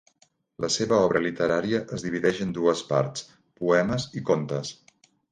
La seva obra literària es divideix en dues parts: poemes i contes.